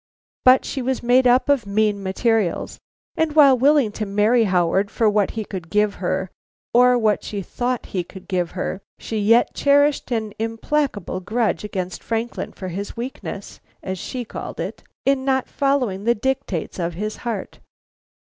But she was made up of mean materials, and while willing to marry Howard for what he could give her or what she thought he could give her, she yet cherished an implacable grudge against Franklin for his weakness, as she called it, in not following the dictates of his heart.